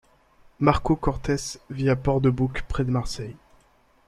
Marco Cortes vit à Port-de-Bouc, près de Marseille.